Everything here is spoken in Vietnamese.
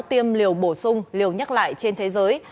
tiêm liều bổ sung liều nhắc lại trên thế giới